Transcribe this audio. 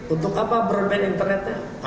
untuk apa broadband internetnya